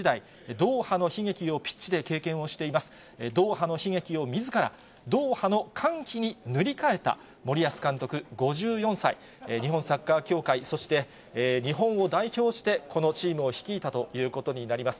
ドーハの悲劇をみずからドーハの歓喜に塗り替えた森保監督５４歳、日本サッカー協会、そして日本を代表してこのチームを率いたということになります。